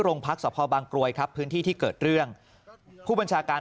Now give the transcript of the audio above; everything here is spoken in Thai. โรงพักษพบางกรวยครับพื้นที่ที่เกิดเรื่องผู้บัญชาการ